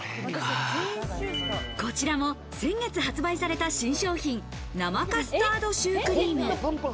こちらは、先月発売された新商品・生カスタードシュークリーム。